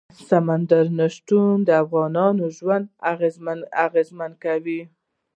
سمندر نه شتون د افغانانو ژوند اغېزمن کوي.